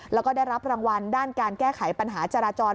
แล้วก็ได้รับรางวัลด้านการแก้ไขปัญหาจราจร